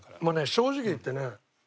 もうね正直言ってね